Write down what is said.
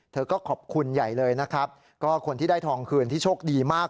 เธอก็ขอบคุณใหญ่เลยนะครับก็คนที่ได้ทองคืนที่โชคดีมาก